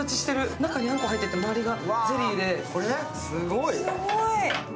中にあんこが入ってて周りがゼリーで、すごい。